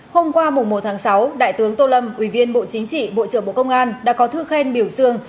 hôm qua một sáu đại tướng tô lâm ủy viên bộ chính trị bộ trưởng bộ công an đã có thư khen biểu dương